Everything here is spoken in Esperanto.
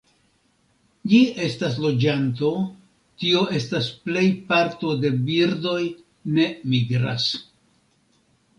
Ĝi estas loĝanto, tio estas plej parto de birdoj ne migras.